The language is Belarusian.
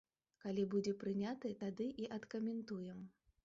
Калі будзе прыняты, тады і адкаментуем.